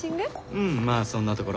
うんまぁそんなところ。